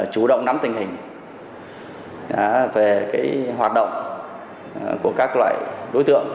chủ động nắm tình hình về hoạt động của các loại đối tượng